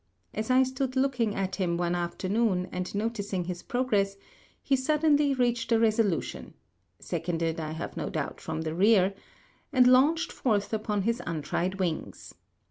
As I stood looking at him one afternoon and noticing his progress, he suddenly reached a resolution, seconded, I have no doubt, from the rear, and launched forth upon his untried wings.